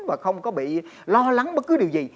và không có bị lo lắng bất cứ điều gì